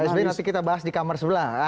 pak sby nanti kita bahas di kamar sebelah